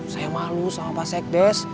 saya malu sama pak sekbes